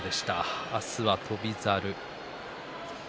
明日は翔猿。